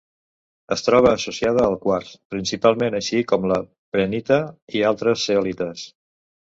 Es troba associada al quars, principalment, així com a la prehnita i a altres zeolites.